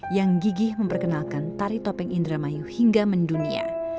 yang gigih memperkenalkan tari topeng indramayu hingga mendunia